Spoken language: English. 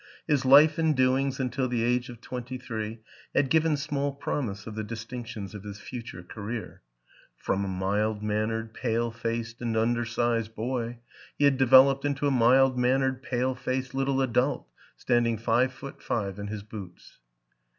His life and doings until the age of twenty three, had given small promise of the distinctions of his future career; from a mild : mannered, pale faced and un der sized boy he had developed into a mild man nered, pale faced little adult standing five foot five in his boots.